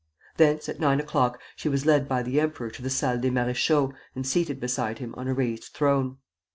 Thence, at nine o'clock, she was led by the emperor to the Salle des Maréchaux and seated beside him on a raised throne.